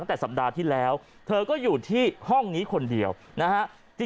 ตั้งแต่สัปดาห์ที่แล้วเธอก็อยู่ที่ห้องนี้คนเดียวนะฮะ